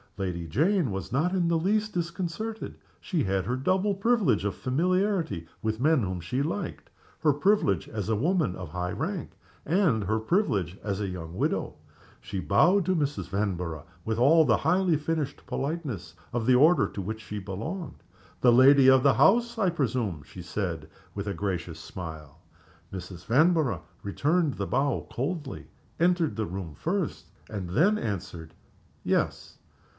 Lady Jane was not in the least disconcerted. She had her double privilege of familiarity with the men whom she liked her privilege as a woman of high rank, and her privilege as a young widow. She bowed to Mrs. Vanborough, with all the highly finished politeness of the order to which she belonged. "The lady of the house, I presume?" she said, with a gracious smile. Mrs. Vanborough returned the bow coldly entered the room first and then answered, "Yes."